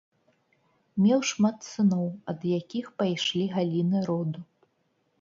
Меў шмат сыноў, ад якіх пайшлі галіны роду.